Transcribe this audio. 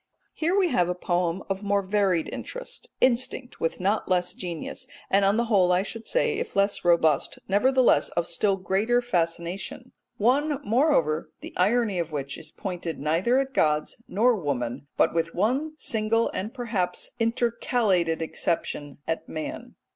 Here we have a poem of more varied interest, instinct with not less genius, and on the whole I should say, if less robust, nevertheless of still greater fascination one, moreover, the irony of which is pointed neither at gods nor woman, but with one single and perhaps intercalated exception, at man.